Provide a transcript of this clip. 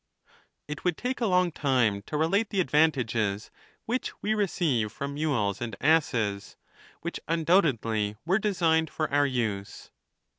It would take a long time to relate the advan tages which we receive from mules and asses, which un doubtedly were designed for our use.